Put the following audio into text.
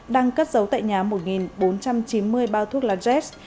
đang cất giấu tại nhà một bốn trăm chín mươi bao thuốc lá z